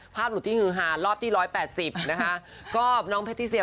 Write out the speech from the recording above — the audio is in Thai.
ภาพหลุดที่วงหานรอบที่๑๘๐